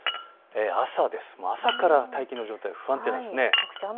朝から大気の状態が不安定なんです。